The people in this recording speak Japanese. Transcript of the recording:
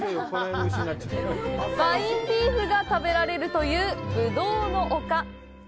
ワインビーフが食べられるという「ぶどうの丘」。